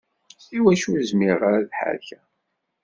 Iwacu ur zmireɣ ad ḥerrkeɣ?